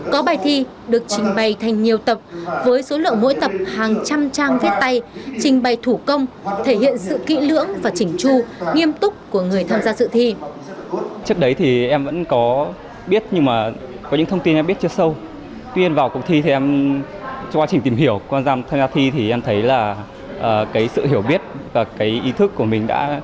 có bài thi được trình bày thành nhiều tập với số lượng mỗi tập hàng trăm trang viết tay trình bày thủ công thể hiện sự kỹ lưỡng và chỉnh chu nghiêm túc của người tham gia dự thi